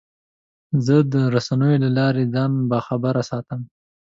زه د رسنیو له لارې ځان باخبره ساتم.